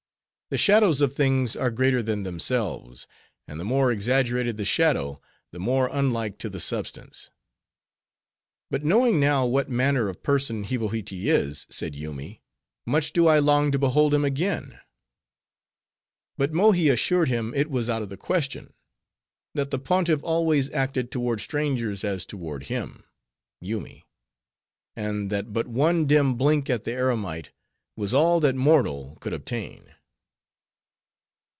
The shadows of things are greater than themselves; and the more exaggerated the shadow, the more unlike to the substance." "But knowing now, what manner of person Hivohitee is," said Yoomy, "much do I long to behold him again." But Mohi assured him it was out of the question; that the Pontiff always acted toward strangers as toward him (Yoomy); and that but one dim blink at the eremite was all that mortal could obtain.